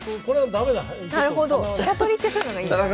飛車取りってそういうのがいいんですね。